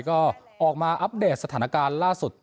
ก็ออกมาอัปเดตสถานการณ์ล่าสุด